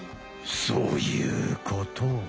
そういうこと。